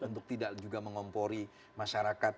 untuk tidak juga mengompori masyarakat